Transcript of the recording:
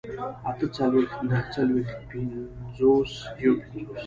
اتهڅلوېښت، نههڅلوېښت، پينځوس، يوپينځوس